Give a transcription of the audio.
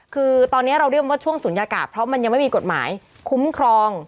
คือตอนนี้เราเรียกว่าช่วงศูนยากาศเพราะมันยังไม่มีกฎหมายคุ้มครอง